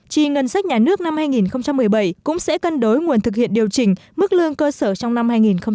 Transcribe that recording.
chi ngân sách nhà nước năm hai nghìn một mươi bảy cũng sẽ cân đối nguồn thực hiện điều chỉnh mức lương cơ sở trong năm hai nghìn một mươi chín